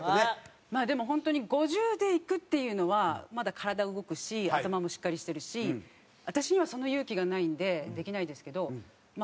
まあでも本当に５０で行くっていうのはまだ体動くし頭もしっかりしてるし私にはその勇気がないんでできないですけどまあ